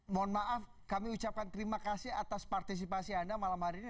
mohon maaf kami ucapkan terima kasih atas partisipasi anda malam hari ini